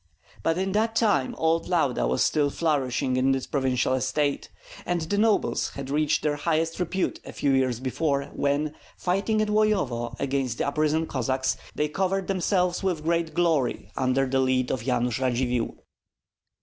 But in that time old Lauda was still flourishing in its primeval estate; and the nobles had reached their highest repute a few years before, when, fighting at Loyovo against the uprisen Cossacks, they covered themselves with great glory under the lead of Yanush Radzivill.